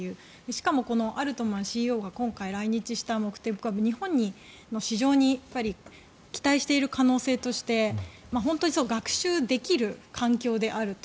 しかもこのアルトマンＣＥＯが今回、来日した目的は日本の市場に期待している可能性として本当に学習できる環境であると。